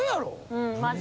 うんマジ。